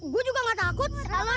gue juga gak takut